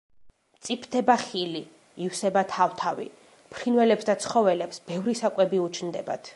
მწიფდება ხილი, ივსება თავთავი, ფრინველებს და ცხოველებს ბევრი საკვები უჩნდებათ.